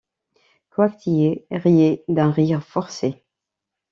Coictier riait d’un rire forcé.